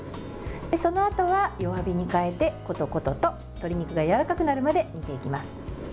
そのあとは、弱火に変えてコトコトと鶏肉がやわらかくなるまで煮ていきます。